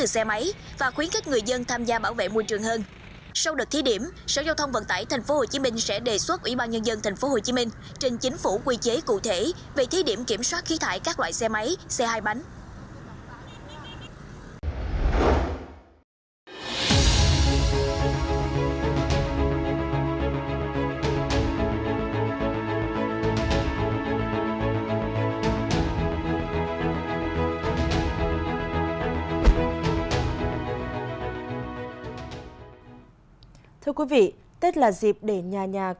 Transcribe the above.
sở giao thông vận tải tp hcm sẽ đề xuất ủy ban nhân dân tp hcm trên chính phủ quy chế cụ thể về thí điểm kiểm soát khí thải các loại xe máy xe hai bánh